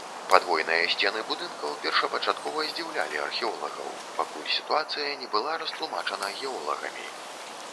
Падвойныя сцены будынкаў першапачаткова здзіўлялі археолагаў, пакуль сітуацыя не была растлумачана геолагамі.